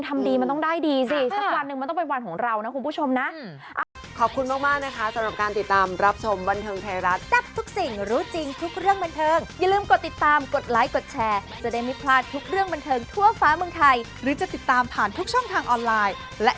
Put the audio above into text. ทำดีมันต้องได้ดีสิสักวันหนึ่งมันต้องเป็นวันของเรานะคุณผู้ชมนะ